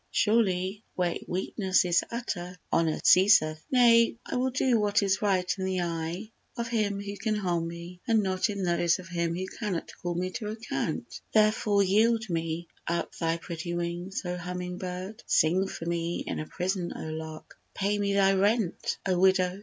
Surely, where weakness is utter, honour ceaseth. Nay, I will do what is right in the eye of him who can harm me, And not in those of him who cannot call me to account. Therefore yield me up thy pretty wings, O humming bird! Sing for me in a prison, O lark! Pay me thy rent, O widow!